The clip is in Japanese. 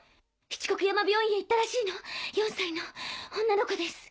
七国山病院へ行ったらしいの４歳の女の子です。